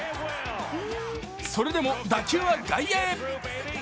それでも打球は外野へ。